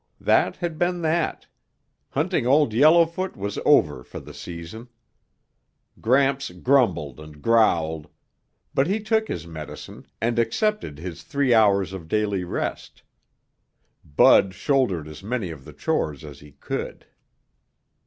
That had been that; hunting Old Yellowfoot was over for the season. Gramps grumbled and growled, but he took his medicine and accepted his three hours of daily rest. Bud shouldered as many of the chores as he could.